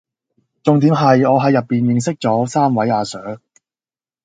重點係我係入面認識咗三位阿 sir⠀⠀